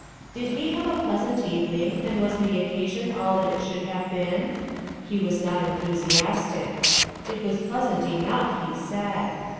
Did he have a pleasant evening, and was the occasion all that it should have been ? He was not enthusiastic. It w T as pleasant enough, he said.